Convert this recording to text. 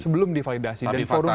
sebelum divalidasi tapi faktanya